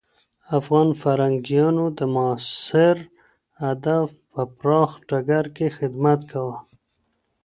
افغان فرهنګيانو د معاصر ادب په پراخ ډګر کي خدمت کاوه.